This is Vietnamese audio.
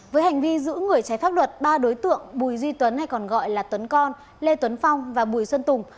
với hành vi giữ người trái pháp luật ba đối tượng bùi duy tuấn hay còn gọi là tấn con lê tuấn phong và bùi xuân tùng